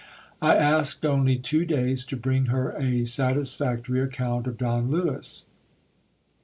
I asked only two days to bring her a satisfac tory account of Don Lewis.